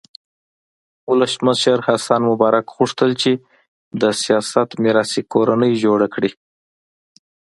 ولسمشر حسن مبارک غوښتل چې د سیاست میراثي کورنۍ جوړه کړي.